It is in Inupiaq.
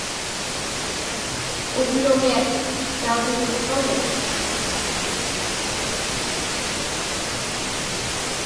Uvluġiat tautugukpagi?